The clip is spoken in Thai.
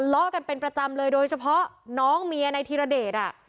ละกันเป็นประจำเลยโดยเฉพาะน้องเมียในธีรเดชอ่ะ